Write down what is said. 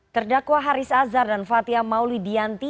terdakwa haris azhar dan fathia mauli dianti